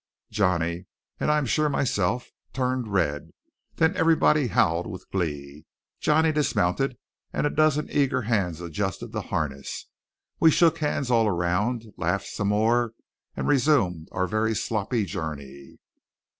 Johnny, and I am sure myself, turned red; then everybody howled with glee. Johnny dismounted, and a dozen eager hands adjusted the harness. We shook hands all around, laughed some more, and resumed our very sloppy journey.